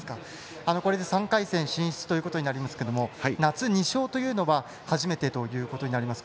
これで３回戦進出ということになりますけど夏２勝というのは初めてということになります。